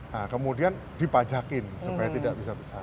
nah kemudian dipajakin supaya tidak bisa besar